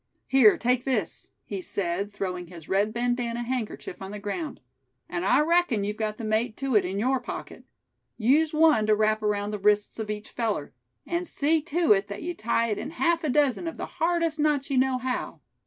"Here, take this," he said, throwing his red bandana handkerchief on the ground; "and I reckon you've got the mate to it in your pocket. Use one to wrap around the wrists of each feller. And see to it that you tie it in half a dozen of the hardest knots you know how.